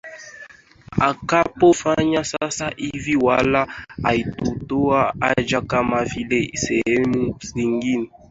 akapo fanya sasa hivi wala haitakuwa haja kama vile sehemu zingine